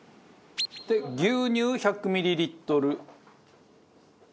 牛乳１００ミリリットル。